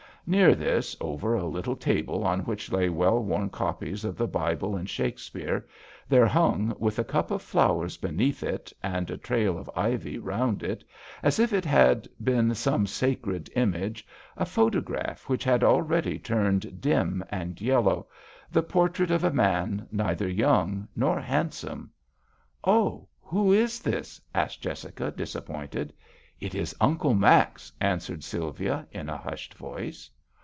Near this, over a little table on which lay well worn copies of the Bible and Shakespeare, there hung, with a cup of flowers beneath it and a trail of ivy round it as if it had been some sacred imagCi a photo graph which had already turned dim and yellow — the portrait of a man, neither young nor hand some. " Oh ! who is this ?" asked Jessica, disappointed. " It is Uncle Max," answered Sylvia, in a hushed voice.